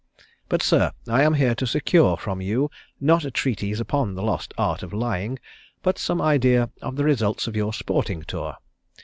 But, sir, I am here to secure from you not a treatise upon the lost art of lying, but some idea of the results of your sporting tour.